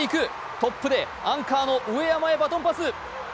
トップでアンカーの上山選手へバトンパス。